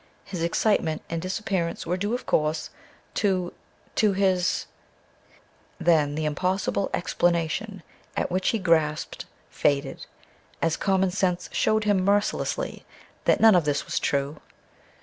His excitement and disappearance were due, of course, to to his Then the impossible explanation at which he grasped faded, as common sense showed him mercilessly that none of this was true.